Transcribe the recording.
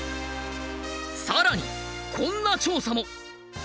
更にこんな調査も！